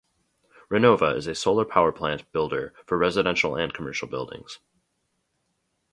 Renova is a solar power plant builder for residential and commercial buildings.